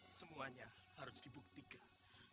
semuanya harus dibuktikan